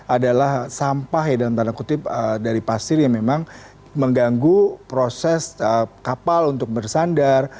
adalah sampah ya dalam tanda kutip dari pasir yang memang mengganggu proses kapal untuk bersandar